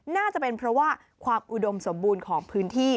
น่าจะเป็นเพราะว่าความอุดมสมบูรณ์ของพื้นที่